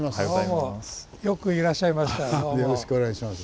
よろしくお願いします。